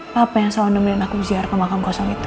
papa yang selalu nemenin aku ziar ke makam kosong itu